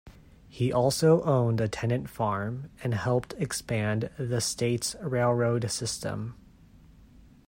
He also owned a tenant farm and helped expand the state's railroad system.